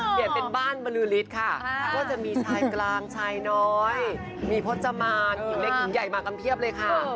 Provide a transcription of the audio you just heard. เปลี่ยนเป็นบ้านบรือฤทธิ์ค่ะก็จะมีชายกลางชายน้อยมีพจมานหญิงเล็กหญิงใหญ่มากันเพียบเลยค่ะ